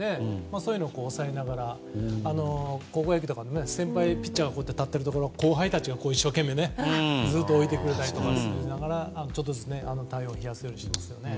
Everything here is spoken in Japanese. そういうところを押さえながら高校野球は先輩ピッチャーが立っているところに後輩が一生懸命置いてくれてたりとかしてくれてちょっとずつ体温を冷やせるようにしていますね。